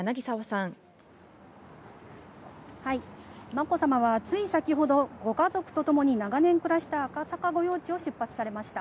まこさまはつい先ほど、ご家族とともに長年暮らした赤坂御用地を出発されました。